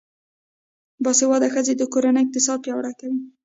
باسواده ښځې د کورنۍ اقتصاد پیاوړی کوي.